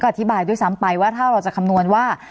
อธิบายด้วยซ้ำไปว่าถ้าเราจะคำนวณว่า